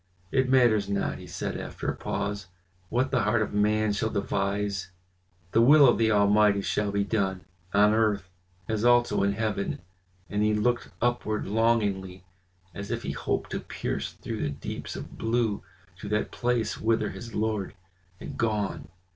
"It matters not," he said after a pause, "what the heart of man shall devise, the will of the Almighty shall be done, on earth, as also in heaven," and he looked upward longingly, as if he hoped to pierce through the deeps of blue to that place whither his Lord had gone.